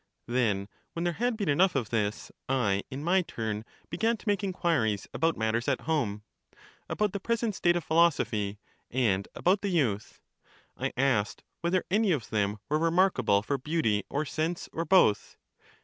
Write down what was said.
Then, when there had been enough of this, I, in my turn, began to make inquiries about matters at home — about the present state of philosophy, and about the youth. I asked whether any of them were remark able for beauty or sense, or both.